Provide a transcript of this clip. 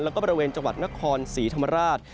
แล้วก็บริเวณจังหวัดนครศรีธรรมราช